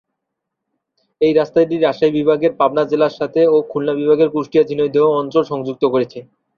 এই রাস্তাটি রাজশাহী বিভাগের পাবনা জেলার সাথে ও খুলনা বিভাগের কুষ্টিয়া-ঝিনাইদহ অঞ্চল সংযুক্ত করেছে।